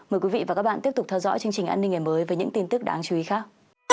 mời quý vị và các bạn tiếp tục theo dõi chương trình an ninh ngày mới với những tin tức đáng chú ý khác